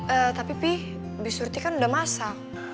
eh tapi pi bisurti kan udah masak